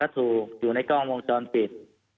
ถูกอยู่ในกล้องวงจรปิด